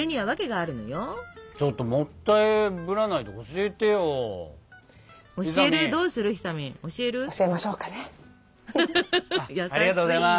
ありがとうございます。